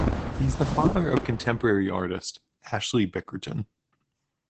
He is the father of contemporary artist Ashley Bickerton.